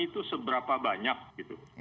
itu seberapa banyak gitu